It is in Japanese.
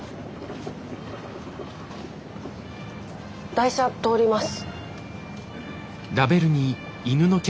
台車通ります。